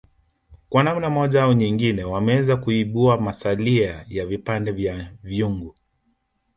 Kwa namna moja au nyengine wameweza kuibua masalia ya vipande vya vyungu